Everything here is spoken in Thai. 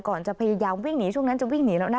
จะพยายามวิ่งหนีช่วงนั้นจะวิ่งหนีแล้วนะ